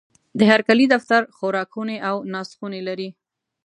د هرکلي دفتر، خوراکخونې او ناستخونې لري.